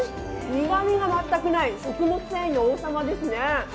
苦みが全くない、食物繊維の王様ですね。